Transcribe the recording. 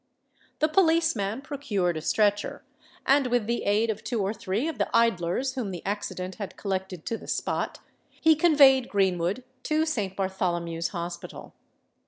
The policeman procured a stretcher; and, with the aid of two or three of the idlers whom the accident had collected to the spot, he conveyed Greenwood to Saint Bartholomew's Hospital.